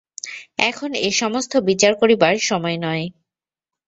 এখন এ সমস্ত বিচার করিবার সময় নয়।